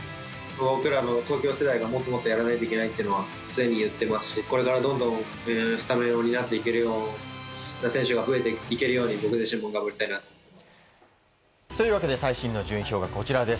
僕らの東京世代が、もっともっとやらなきゃいけないというのは常に言ってますし、これからどんどんスタメンを担っていけるような選手が増えていけるように、というわけで、最新の順位表がこちらです。